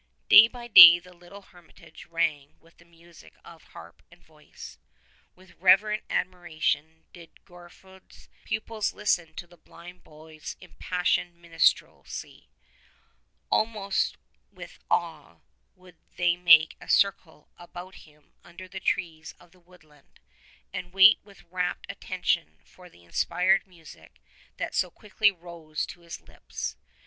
Day by day the little hermitage rang with the music of harp and voice. With reverent admiration did Gorfoed's pupils listen to the blind boy's impassioned minstrelsy. Al most with awe would they make a circle about him under the trees of the woodland, and wait with rapt attention for the inspired music that so quickly rose to his lips.